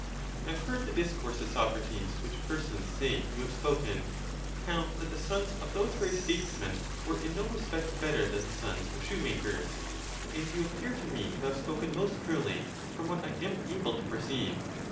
I have heard the discourses, Socrates, which persons say you have spoken,' how that the sons of those very states men were in no respect better than the sons of shoemakers : and you appear to me to have spoken most truly, from what 1 am able to perceive.